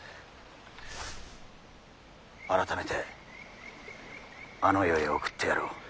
改めてあの世へ送ってやろう。